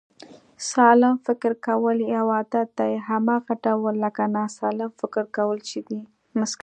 سالم فکر کول یو عادت دی، هماغه ډول لکه ناسلم فکر کول چې دی